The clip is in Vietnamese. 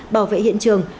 bảo vệ hiện trường